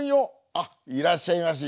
あっいらっしゃいまし。